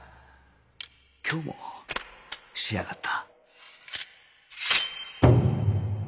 今日も仕上がった